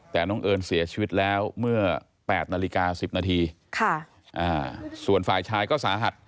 แต่น้องเอิญเสียชีวิตแล้วเมื่อ๘นาฬิกา๑๐นาทีส่วนฝ่ายชายก็สาหัส